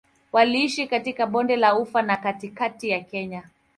Waliishi katika Bonde la Ufa na katikati ya Kenya.